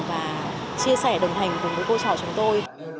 và chia sẻ đồng hành cùng với cô trò chúng tôi